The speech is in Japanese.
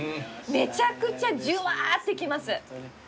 めちゃくちゃじゅわーってきます。